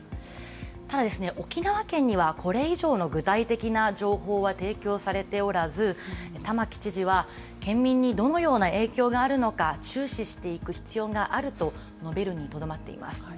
ただ、沖縄県にはこれ以上の具体的な情報は提供されておらず、玉城知事は、県民にどのような影響があるのか、注視していく必要があると述べるにとどまっています。